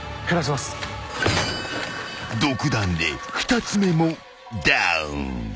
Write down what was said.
［独断で２つ目もダウン］